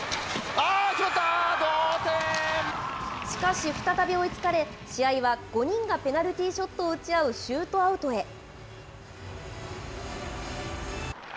しかし、再び追いつかれ、試合は５人がペナルティーショットを打ち合うシュートアウトへ。